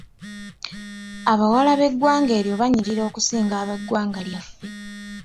Abawala b'eggwanga eryo banyirira okusinga ab'eggwanga lyaffe.